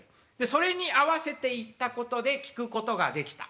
それに合わせて行ったことで聞くことができた。